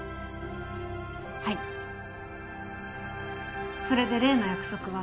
はいそれで例の約束は？